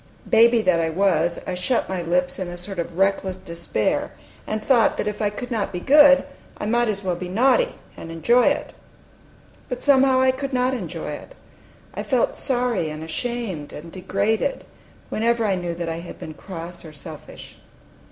Baby that I was, I shut my lips in a sort of reckless despair, and thought that if I could not be good, I might as well be naughty, and enjoy it. But somehow I could not enjoy it. I felt sorry and ashamed and degraded whenever I knew that I had been cross or selfish.